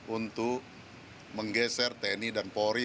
untuk menggeser tni dan polri